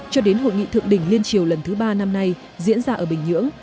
cho đến hội nghị thượng đỉnh liên triều lần thứ ba năm nay diễn ra ở bình nhưỡng